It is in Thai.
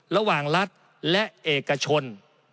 ระหว่างรัฐและเอกชน